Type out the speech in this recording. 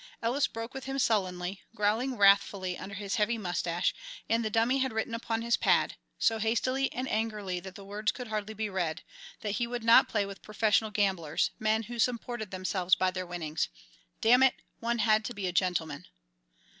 Ellis broke with him sullenly, growling wrathfully under his heavy moustache, and the Dummy had written upon his pad so hastily and angrily that the words could hardly be read that he would not play with professional gamblers, men who supported themselves by their winnings. Damn it! one had to be a gentleman.